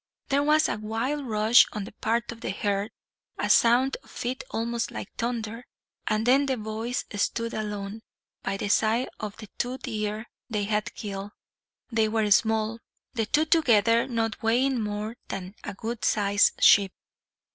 There was a wild rush on the part of the herd, a sound of feet almost like thunder, and then the boys stood alone, by the side of the two deer they had killed. They were small, the two together not weighing more than a good sized sheep.